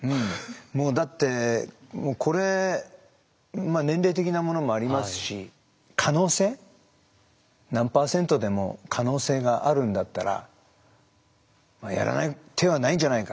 もうだってこれ年齢的なものもありますし可能性何％でも可能性があるんだったらやらない手はないんじゃないかと。